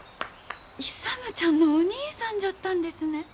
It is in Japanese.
勇ちゃんのお兄さんじゃったんですね。